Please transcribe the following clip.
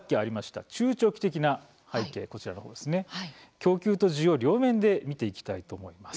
供給と需要、両面で見ていきたいと思います。